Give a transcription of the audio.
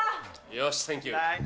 よし、センキュー。